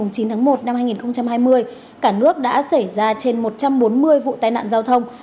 năm hai nghìn hai mươi cả nước đã xảy ra trên một trăm bốn mươi vụ tai nạn giao thông